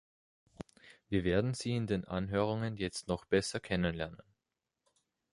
Wir werden sie in den Anhörungen jetzt noch besser kennenlernen.